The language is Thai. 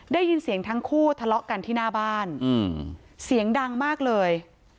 ได้ยินเสียงทั้งคู่ทะเลาะกันที่หน้าบ้านเสียงดังมากเลย